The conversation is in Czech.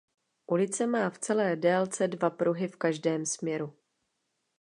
Ulice má v celé délce dva pruhy v každém směru.